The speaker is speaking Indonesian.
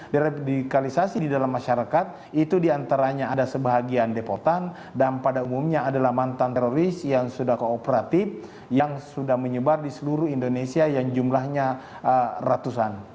deradikalisasi di dalam masyarakat itu diantaranya ada sebahagian deportan dan pada umumnya adalah mantan teroris yang sudah kooperatif yang sudah menyebar di seluruh indonesia yang jumlahnya ratusan